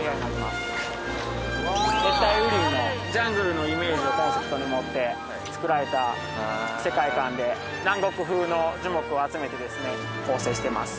熱帯雨林のジャングルのイメージをコンセプトに持って作られた世界観で南国風の樹木を集めてですね構成してます。